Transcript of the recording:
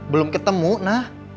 belum ketemu nah